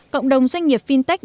cộng đồng doanh nghiệp fintech